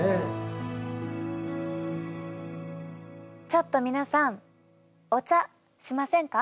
ちょっと皆さんお茶しませんか？